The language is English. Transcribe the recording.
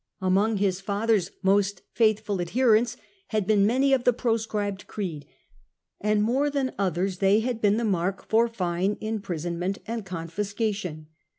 Among his father's most faithful adherents had been many of the proscribed creed, and more than others they had been the mark for fine, imprisonment, and confiscation.